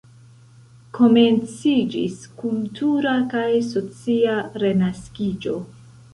Komenciĝis kultura kaj socia renaskiĝo.